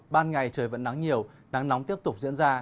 ban ngày trời vẫn nắng nhiều nắng nóng tiếp tục diễn ra